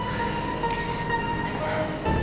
terima kasih oh nino